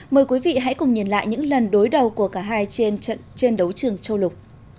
mời quý vị hãy cùng nhìn lại những lần đối đầu của cả hai trên đấu trường châu lục